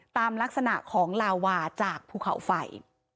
ตามลักษณะของลาวาจากภูเขาไฟ